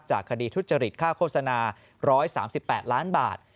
คดีทุจริตค่าโฆษณา๑๓๘ล้านบาท